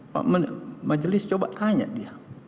pak majelis coba tanya dia